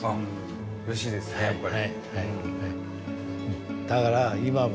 うれしいですねやっぱり。